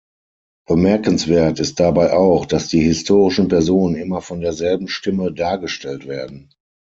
Bemerkenswert ist dabei auch, dass die historischen Personen immer von derselben Stimme "„dargestellt“" werden.